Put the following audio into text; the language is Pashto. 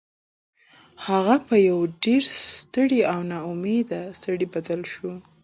هغه په یو ډیر ستړي او ناامیده سړي بدل شو